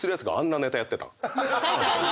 確かに！